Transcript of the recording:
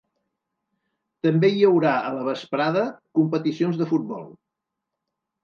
També hi haurà, a la vesprada, competicions de futbol.